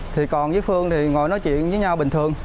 thì còn với phương thì ngồi nói chuyện với nhau bình thường